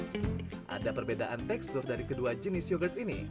musik ada perbedaan tekstur dari kedua jenis yogurt